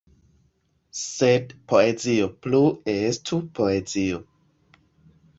Sed poezio plu estu poezio.